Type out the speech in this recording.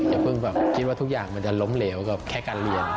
อย่าเพิ่งแบบคิดว่าทุกอย่างมันจะล้มเหลวกับแค่การเรียน